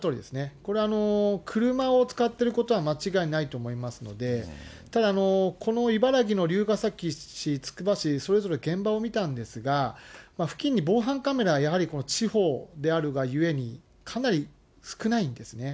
これは、車を使っていることは間違いないと思いますので、ただ、この茨城の龍ケ崎市、つくば市、それぞれ現場を見たんですが、付近に防犯カメラはやはり地方であるがゆえに、かなり少ないんですね。